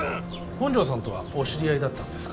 本条さんとはお知り合いだったんですか？